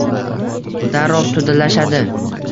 Darrov to’dalashadi.